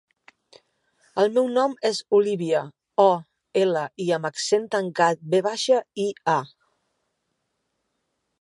El meu nom és Olívia: o, ela, i amb accent tancat, ve baixa, i, a.